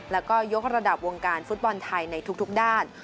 แล้วก็ยกระดับวงการฟุตบอลไทยในทุกด้าน